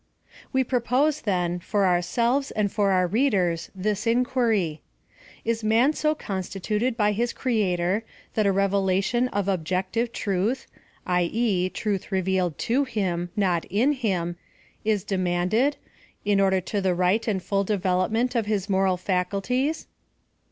We propose,, then, for ourselves and our read ers, thi« inquiry : Is man so constituted by his Creator, that a Revelation of objective truth (i. e.. truth revealed to him, not in him) is demanded, in order to the right and full development of his moral facult ics